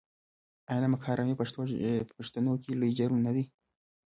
آیا نمک حرامي په پښتنو کې لوی جرم نه دی؟